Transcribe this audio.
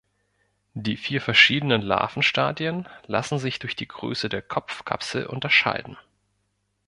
Die vier verschiedenen Larvenstadien lassen sich durch die Größe der Kopfkapsel unterscheiden.